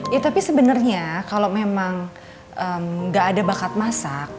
ya tapi sebenernya kalo memang gak ada bakat masak